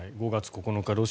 ５月９日